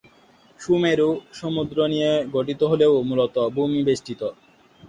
সুমেরু, সমুদ্র নিয়ে গঠিত হলেও মূলত ভূমি বেষ্টিত।